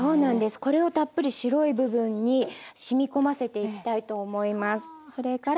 これをたっぷり白い部分にしみ込ませていきたいと思います。